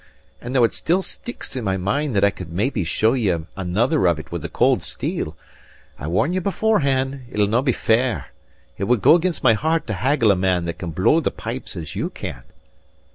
And though it still sticks in my mind that I could maybe show ye another of it with the cold steel, I warn ye beforehand it'll no be fair! It would go against my heart to haggle a man that can blow the pipes as you can!"